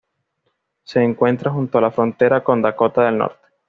Se encuentra junto a la frontera con Dakota del Norte.